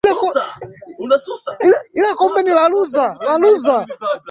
Nahitaji kupumzika leo